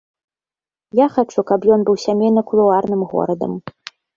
Я хачу, каб ён быў сямейна-кулуарным горадам.